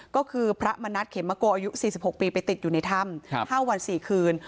ก็คือพระมณัฐเขมโกอายุ๔๖ปีไปติดอยู่ในถ้ำ๕วัน๔คืน